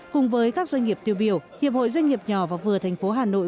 cùng với các doanh nghiệp tiêu biểu hiệp hội doanh nghiệp nhỏ và vừa thành phố hà nội